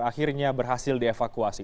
akhirnya berhasil dievakuasi